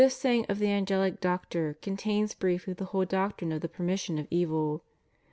saying of the Angelic Doctor contains briefly the whole doctrine of the permission of evil.